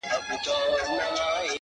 هره ورځ څو سطله اوبه اچوې;